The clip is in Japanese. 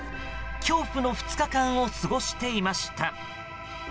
恐怖の２日間を過ごしていました。